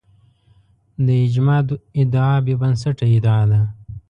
د اجماع ادعا بې بنسټه ادعا ده